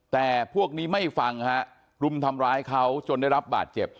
แต่พวกนี้ไม่ฟังฮะรุมทำร้ายเขาจนได้รับบาดเจ็บ